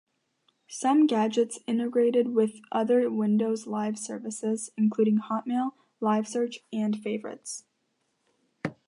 Some gadgets integrated with other Windows Live services, including Hotmail, Live Search, and Favorites.